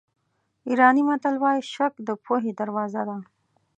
ایراني متل وایي شک د پوهې دروازه ده.